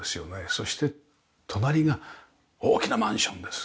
そして隣が大きなマンションです